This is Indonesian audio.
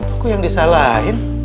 aku yang disalahin